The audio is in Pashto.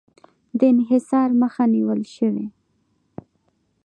د انحصار مخه نیول شوې؟